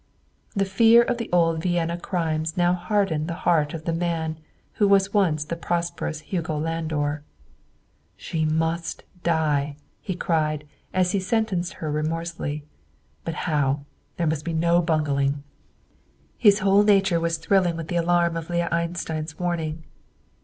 The fear of the old Vienna crimes now hardened the heart of the man who was once the prosperous Hugo Landor. "SHE MUST DIE!" he cried as he sentenced her remorselessly. "But how? There must be no bungling!" His whole nature was thrilling with the alarm of Leah Einstein's warning.